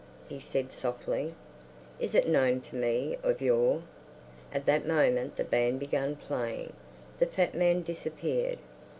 he said softly. "Is it known to me of yore?" At that moment the band began playing; the fat man disappeared.